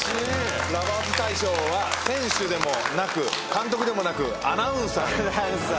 Ｌｏｖｅｒｓ大賞は選手でもなく監督でもなくアナウンサー。